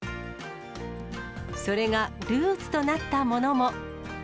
それがルーツとなったものも。